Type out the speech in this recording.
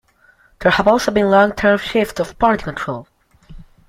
There have also been long-term shifts of party control.